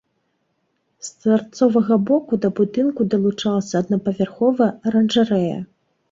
З тарцовага боку да будынку далучалася аднапавярховая аранжарэя.